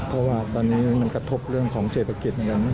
เพราะว่าตอนนี้มันกระทบเรื่องของเศรษฐกิจเหมือนกัน